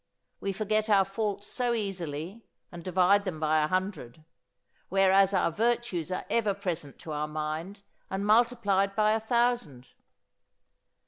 We forget our faults so easily and divide them by a hundred, whereas our virtues are ever present to our mind and multiplied by a thousand.